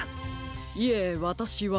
いえわたしは。